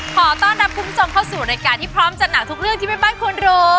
ขอต้อนรับคุณผู้ชมเข้าสู่รายการที่พร้อมจัดหนักทุกเรื่องที่แม่บ้านควรรู้